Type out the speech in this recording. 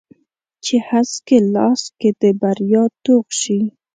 چې هسک یې لاس کې د بریا توغ شي